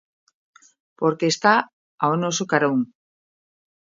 "Porque está ao noso carón".